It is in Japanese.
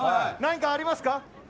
何かありますか？